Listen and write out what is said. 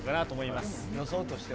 予想としては。